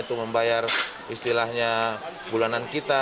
untuk membayar istilahnya bulanan kita